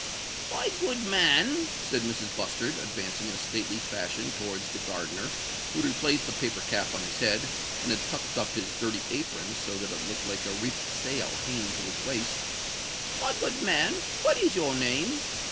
"My good man," said Mrs. Bustard, advancing in a stately fashion towards the gardener, who had replaced the paper cap on his head, and had tucked up his dirty apron, so that it looked like a reefed sail hanging to his waist,—"my good man, what is your name?